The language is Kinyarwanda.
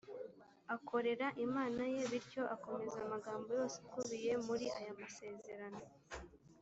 akorera imana ye bityo akomeze amagambo yose akubiye muri aya masezerano